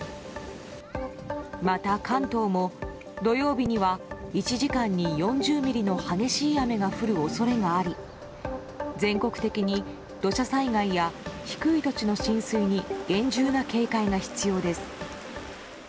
また関東も土曜日には１時間に４０ミリの激しい雨が降る恐れがあり全国的に土砂災害や低い土地の浸水に厳重な警戒が必要です。